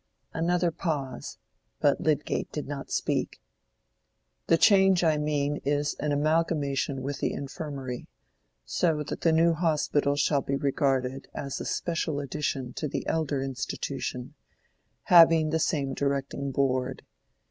Another pause, but Lydgate did not speak. "The change I mean is an amalgamation with the Infirmary, so that the New Hospital shall be regarded as a special addition to the elder institution, having the same directing board.